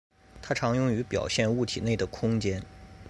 它常用于表现物体内的空间。